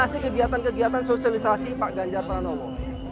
dan kegiatan kegiatan sosialisasi pak ganjar pranowo